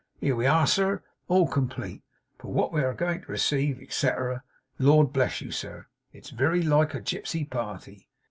Here we are, sir, all complete. For what we are going to receive, et cetrer. Lord bless you, sir, it's very like a gipsy party!